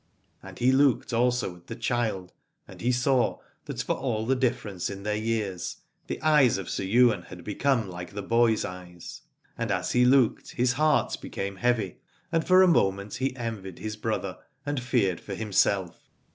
And he looked also at the child, and he saw that for all the difference in their years, the eyes of Sir Ywain had become like the boy's eyes: and as he looked his heart became heavy, and for a moment he envied his brother and feared for himself.